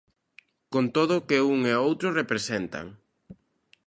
Con todo o que un e o outro representan.